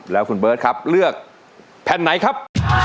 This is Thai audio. แล้วคุณเบิร์ตครับเลือกแผ่นไหนครับ